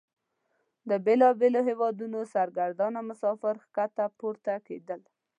د بیلابیلو هیوادونو سرګردانه مسافر ښکته پورته کیدل.